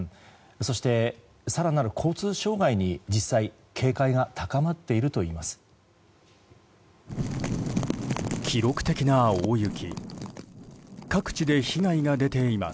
そして、更なる交通障害に警戒が高まっているといいます。